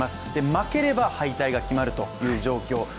負ければ敗退が決まるという状況。